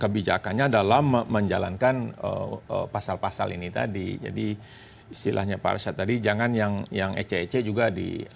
kebijakannya dalam menjalankan pasal pasal ini tadi jadi istilahnya pak arsyad tadi jangan yang yang ece ece juga di